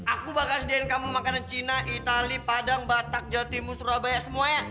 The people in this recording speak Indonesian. aku bakal sediain kamu makanan cina itali padang batak jawa timur surabaya semuanya